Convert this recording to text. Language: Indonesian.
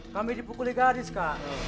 kami dipukuli gadis kak